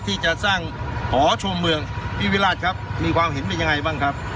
ที่จะสร้างหอชมเมืองพี่วิราชครับมีความเห็นเป็นยังไงบ้างครับ